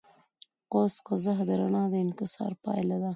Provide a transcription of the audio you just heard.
قوس قزح د رڼا د انکسار پایله ده.